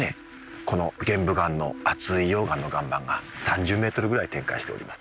この玄武岩の厚い溶岩の岩盤が３０ｍくらい展開しております。